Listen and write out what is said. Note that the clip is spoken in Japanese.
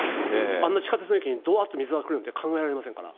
あんな地下鉄の駅にどわーって水があふれるなんて考えられません